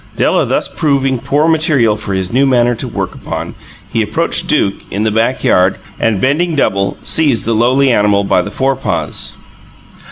Della thus proving poor material for his new manner to work upon, he approached Duke, in the backyard, and, bending double, seized the lowly animal by the forepaws.